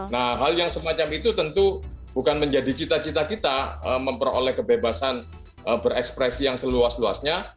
nah hal yang semacam itu tentu bukan menjadi cita cita kita memperoleh kebebasan berekspresi yang seluas luasnya